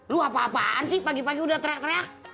lu apa apaan sih pagi pagi udah teriak teriak